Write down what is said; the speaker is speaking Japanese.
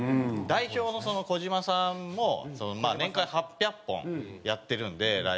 代表の児島さんも年間８００本やってるんでライブを。